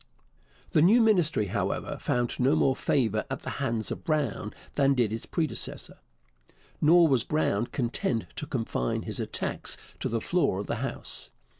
The new Ministry, however, found no more favour at the hands of Brown than did its predecessor. Nor was Brown content to confine his attacks to the floor of the House.